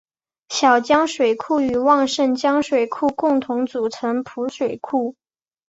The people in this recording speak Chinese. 小江水库与旺盛江水库共同组成合浦水库。